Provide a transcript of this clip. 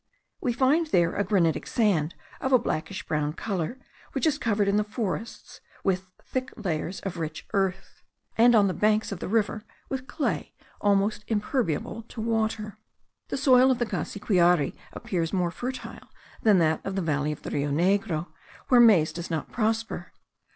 We find there a granitic sand, of a blackish brown colour, which is covered in the forests with thick layers of rich earth, and on the banks of the river with clay almost impermeable to water. The soil of the Cassiquiare appears more fertile than that of the valley of the Rio Negro, where maize does not prosper.